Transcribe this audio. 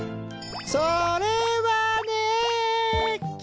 それはね。